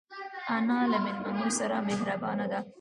انا له مېلمنو سره مهربانه ده